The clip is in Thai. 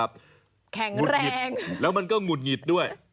แข็งแรงแล้วมันก็หงุดหงิดด้วย